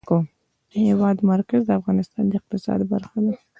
د هېواد مرکز د افغانستان د اقتصاد برخه ده.